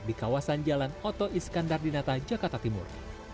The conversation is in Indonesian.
di kawasan jalan oto iskandar dinata jakarta timur